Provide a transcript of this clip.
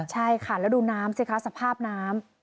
ใช่ค่ะแล้วดูน้ำสิคะสภาพน้ำ